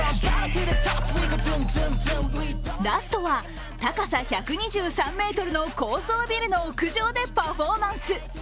ラストは高さ１２３ｍの高層ビルの屋上でパフォーマンス。